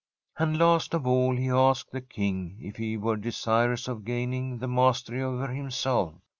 And last of all he asked the King if he were desirous of gaining the mastery over himself.